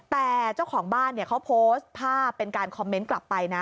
แต่เจ้าของบ้านเขาโพสต์ภาพเป็นการคอมเมนต์กลับไปนะ